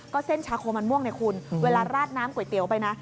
เส้นชาโคมันม่วงเนี่ยคุณเวลาราดน้ำก๋วยเตี๋ยวไปนะ